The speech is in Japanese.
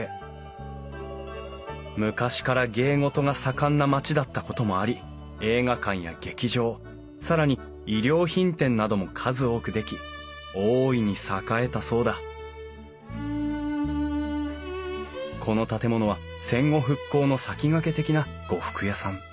昔から芸事が盛んな町だったこともあり映画館や劇場更に衣料品店なども数多く出来大いに栄えたそうだこの建物は戦後復興の先駆け的な呉服屋さん。